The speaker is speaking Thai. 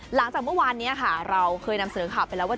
หลังจากเมื่อวานนี้ค่ะเราเคยนำเสนอข่าวไปแล้วว่า